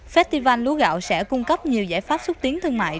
festival lúa gạo sẽ cung cấp nhiều giải pháp xúc tiến thương mại